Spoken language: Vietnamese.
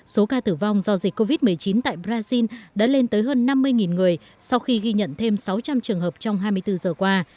số ca tử vong do dịch covid một mươi chín tại brazil đã lên tới hơn năm mươi người sau khi ghi nhận thêm sáu trăm linh trường hợp trong hai mươi bốn giờ qua